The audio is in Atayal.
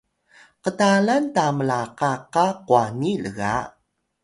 ktalan ta mlaka qa kwani lga